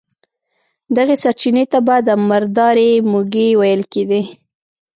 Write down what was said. دغې سرچينې ته به د مردارۍ موږی ويل کېدی.